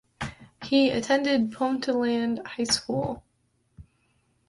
He attended Ponteland High School.